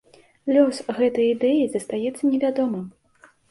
Лёс гэтай ідэі застаецца невядомым.